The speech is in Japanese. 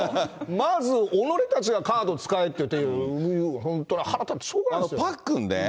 まずおのれたちがカード使えっていう、本当に腹立ってしょうがないですよ。